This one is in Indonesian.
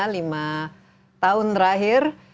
lima tahun terakhir